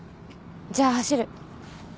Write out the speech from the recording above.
じゃあ走る。